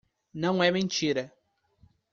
Não é mentira.